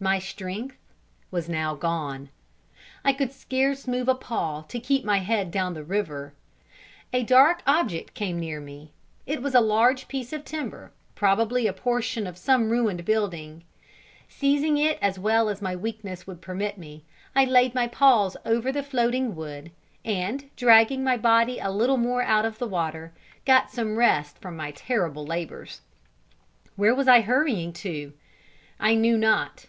My strength was now gone I could scarce move a paw to keep my head down the river. A dark object came near it was a large piece of timber, probably a portion of some ruined building. Seizing it as well as my weakness would permit me, I laid my paws over the floating wood, and, dragging my body a little more out of the water, got some rest from my terrible labours. [Illustration: AFLOAT] Where was I hurrying to? I knew not.